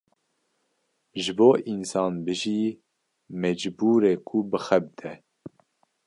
Ji bo însan bijî mecbûre ku bixebite.